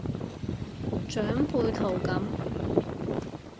長輩圖噉